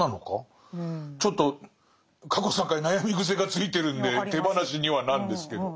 ちょっと過去３回悩み癖がついてるんで手放しにはなんですけど。